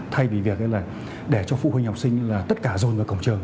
thay vì việc để cho phụ huynh học sinh tất cả dồn vào cổng trường